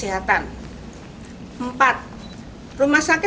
rumah sakit nasional hospital tidak menolak penyelenggaraan etika dan penyelenggaraan etika